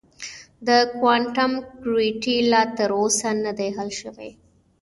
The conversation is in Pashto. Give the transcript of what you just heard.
د کوانټم ګرویټي لا تر اوسه نه دی حل شوی.